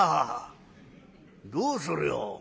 「どうするよ？